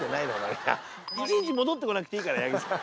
いちいち戻ってこなくていいから矢作さん。